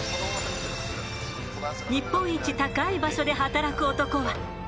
日本一高い場所で働く男は。